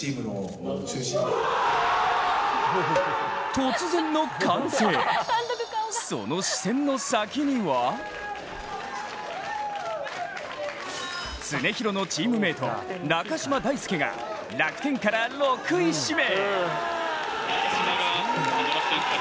突然の歓声、その視線の先には常廣のチームメイト、中島大輔が楽天から６位指名。